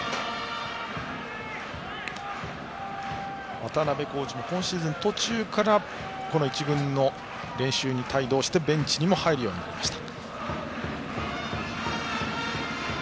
渡邉コーチも今シーズン途中から１軍に帯同してベンチにも入るようになりました。